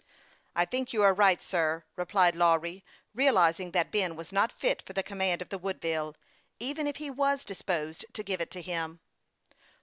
" I think you are right, sir," replied tLawry, realiz ing that Ben was not fit for the command of the Woodville, even if he was disposed to give it to him.